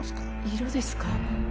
色ですか？